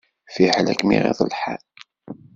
Fiḥel ad kem-iɣiḍ lḥal.